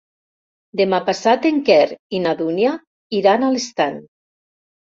Demà passat en Quer i na Dúnia iran a l'Estany.